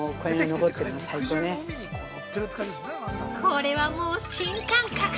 ◆これはもう新感覚！